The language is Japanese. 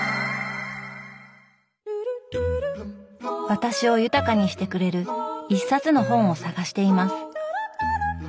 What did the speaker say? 私を豊かにしてくれる一冊の本を探しています。